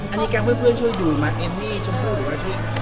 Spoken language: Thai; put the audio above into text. อันนี้แกเพื่อนช่วยดูมักเอ็มนี่ช่วงต้นหรือว่าที่